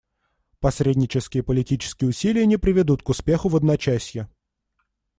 Посреднические политические усилия не приведут к успеху в одночасье.